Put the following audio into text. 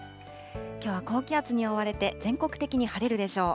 きょうは高気圧に覆われて全国的に晴れるでしょう。